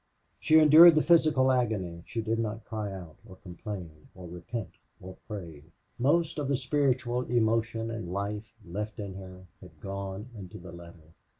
She endured the physical agony; she did not cry out, or complain, or repent, or pray. Most of the spiritual emotion and life left in her had gone into the letter.